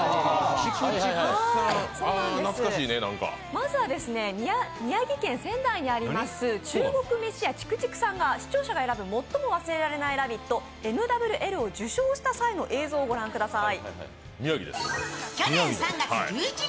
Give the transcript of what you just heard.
まずは宮城県、仙台にある中国にある中国めしや・竹竹さんが視聴者が「最も忘れられないラヴィット！」、Ｍ．Ｗ．Ｌを受賞した際の映像をご覧ください。